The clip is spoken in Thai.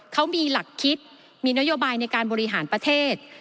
เขามีหลักคิดมีนโยบายในการบริหารประเทศ